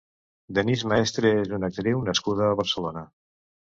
Denise Maestre és una actriu nascuda a Barcelona.